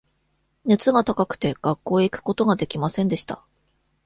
熱が高くて、学校へ行くことができませんでした。